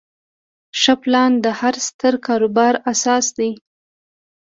ښه پلان د هر ستر کاروبار اساس دی.